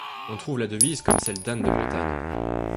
On trouve la devise comme celle d’Anne de Bretagne.